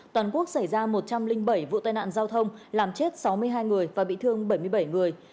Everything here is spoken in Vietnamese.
toàn quốc xảy ra một trăm linh bảy vụ tai nạn giao thông làm chết sáu mươi hai người và bị thương bảy mươi bảy người